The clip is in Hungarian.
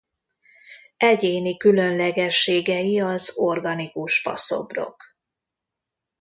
Egyéni különlegességei az organikus faszobrok.